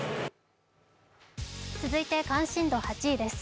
続いて関心度８位です。